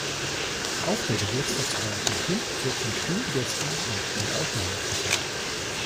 Auf der Geburtstagsfeier von Tim wird mit vielen Gästen und viel Alkohol gefeiert.